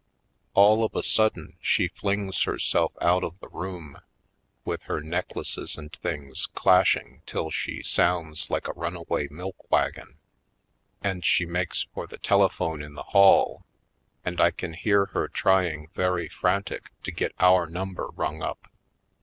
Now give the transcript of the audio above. All of a sudden she flings herself out of the room, with her necklaces and things clashing till she sounds like a runaway milk wagon, and she makes for the tele phone in the hall, and I can hear her trying very frantic to get our number rung up.